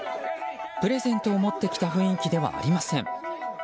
プレゼントを持ってきた雰囲気ではありません。